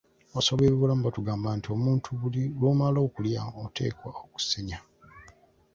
Abasawo ab'ebyobulamu batugamba nti omuntu buli lwomala okulya oteekwa okusenya.